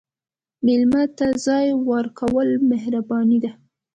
مېلمه ته ځای ورکول مهرباني ده.